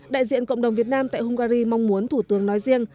đại diện cộng đồng việt nam tại hungary mong muốn thủ tướng nói riêng